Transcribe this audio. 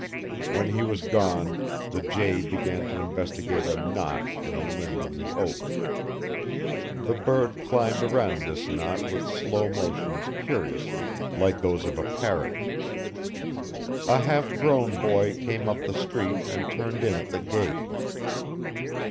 When he was gone, the jay began to investigate a knot in a limb of the oak. The bird climbed around this knot with slow motions curiously like those of a parrot. A half grown boy came up the street and turned in at the gate.